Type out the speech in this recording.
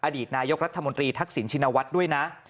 อดีตนายกรัฐมนตรีทักษิณชินวัฒน์ด้วยนะ